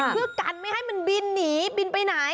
เพื่อกันไม่ให้มันบินหนีบินไปไหน